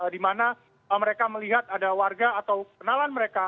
dimana mereka melihat ada warga atau kenalan mereka